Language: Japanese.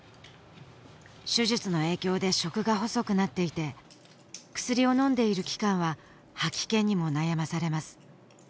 手術の影響で食が細くなっていて薬を飲んでいる期間は吐き気にも悩まされます